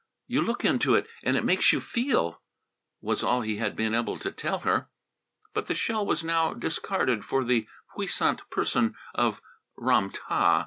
"You look into it and it makes you feel!" was all he had been able to tell her. But the shell was now discarded for the puissant person of Ram tah.